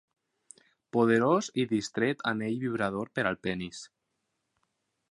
Poderós i distret anell vibrador per al penis.